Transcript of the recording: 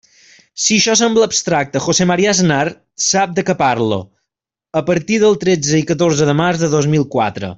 Si això sembla abstracte, José María Aznar sap de què parlo, a partir del tretze i catorze de març de dos mil quatre.